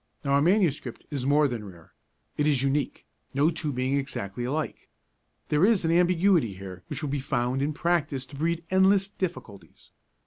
Now a manuscript is more than rare; it is unique, no two being exactly alike. There is an ambiguity here which will be found in practice to breed endless difficulties.